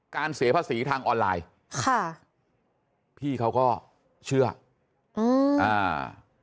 เสียภาษีทางออนไลน์ค่ะพี่เขาก็เชื่ออืมอ่า